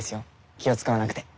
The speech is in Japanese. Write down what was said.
気を遣わなくて。